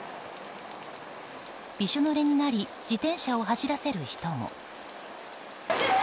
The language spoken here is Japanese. びしょぬれになり自転車を走らせる人も。